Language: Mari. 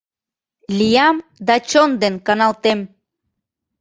Лиям да чон ден каналтем.